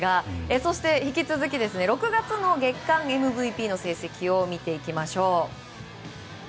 そして、引き続き６月の月間ＭＶＰの成績を見ていきましょう。